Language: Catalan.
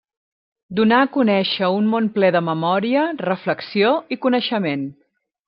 Donar a conèixer un món ple de memòria, reflexió i coneixement.